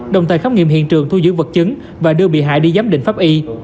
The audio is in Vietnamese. đồng thời khám nghiệm hiện trường thu giữ vật chứng và đưa bị hại đi giám định pháp y